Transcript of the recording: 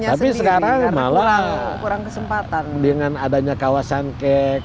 tapi sekarang malah dengan adanya kawasan kek